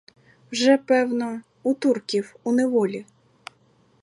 Вже, певно, у турків у неволі.